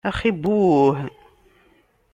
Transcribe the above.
Axi buh!